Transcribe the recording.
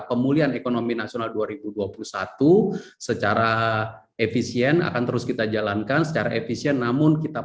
pemulihan ekonomi nasional dua ribu dua puluh satu secara efisien akan terus kita jalankan secara efisien namun kita